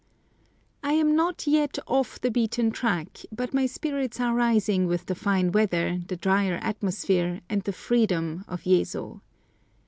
I am not yet off the "beaten track," but my spirits are rising with the fine weather, the drier atmosphere, and the freedom of Yezo.